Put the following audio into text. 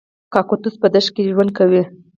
کاکتوس په دښته کې ژوند کوي